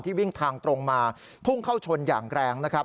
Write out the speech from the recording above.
วิ่งทางตรงมาพุ่งเข้าชนอย่างแรงนะครับ